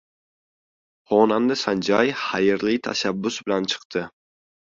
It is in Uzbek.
Xonanda Sanjay xayrli tashabbus bilan chiqdi